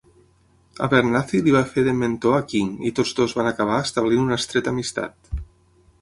Abernathy li va fer de mentor a King i tots dos van acabar establint una estreta amistat.